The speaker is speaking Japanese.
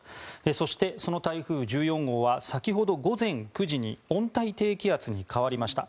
そして、その台風１４号は先ほど午前９時に温帯低気圧に変わりました。